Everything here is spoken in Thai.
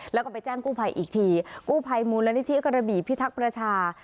แล้วก็ไปแจ้งกู้ภัยอีกทีกู้ภัยมูลนิธิกระบี่พิทักษ์ประชา